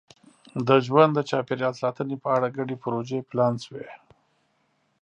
د ژوند چاپېریال ساتنې په اړه ګډې پروژې پلان شوي.